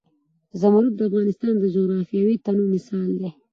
زمرد د افغانستان د جغرافیوي تنوع مثال دی.